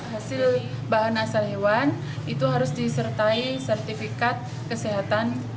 hasil bahan asal hewan itu harus disertai sertifikat kesehatan